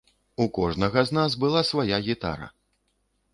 У кожнага з нас была свая гітара.